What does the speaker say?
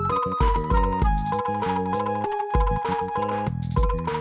sejak puluhan tahun yang lalu